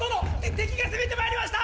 敵が攻めてまいりました！